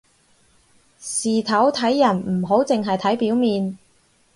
事頭睇人唔好淨係睇表面